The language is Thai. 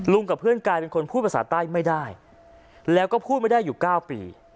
กับเพื่อนกลายเป็นคนพูดภาษาใต้ไม่ได้แล้วก็พูดไม่ได้อยู่๙ปี